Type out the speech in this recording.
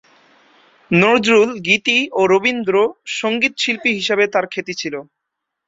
নজরুল গীতি ও রবীন্দ্র সঙ্গীত শিল্পী হিসেবে তার খ্যাতি ছিল।